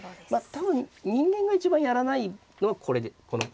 多分人間が一番やらないのはこの８五馬。